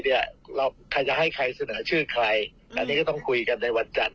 เราใครจะให้ใครเสนอชื่อใครอันนี้ก็ต้องคุยกันในวันจันทร์